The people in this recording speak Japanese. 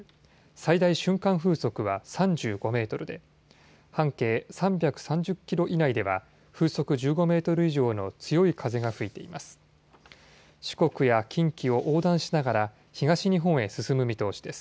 最大瞬間風速は３５メートルで半径３３０キロ以内では風速１５メートル以上の強い風が吹いています。